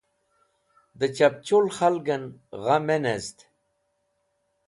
Dẽ chapchul khalgẽn gha me nezd